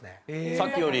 さっきより？